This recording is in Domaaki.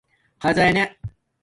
خزانہ